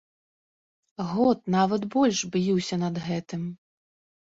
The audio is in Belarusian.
Год, нават больш б'юся над гэтым.